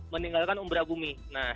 meninggalkan umbra bumi